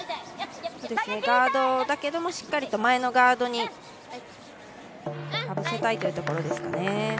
ガードだけれどもしっかりと前のガードにかぶせたいというところですかね。